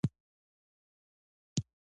پام کوه